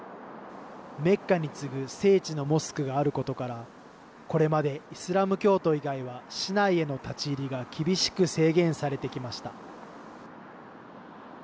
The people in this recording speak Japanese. メッカに次ぐ聖地のモスクがあることからこれまで、イスラム教徒以外は市内への立ち入りが厳しく制限されてきました。